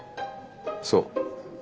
そう。